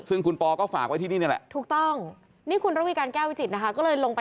ซึ่งคุณปอก็ฝากไว้ที่นี่เนี่ยแหละ